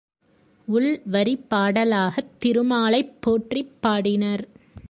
உள்வரிப்பாடலாகத் திருமாலைப் போற்றிப் பாடினர்.